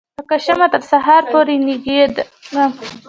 لکه شمعه تر سهار پوري ننیږم